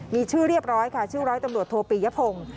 มีชื่อเรียบร้อยค่ะชื่อร้อยตำรวจโทปียพงศ์